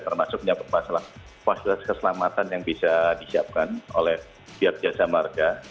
termasuk menyangkut masalah fasilitas keselamatan yang bisa disiapkan oleh pihak jasa marga